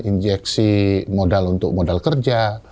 injeksi modal untuk modal kerja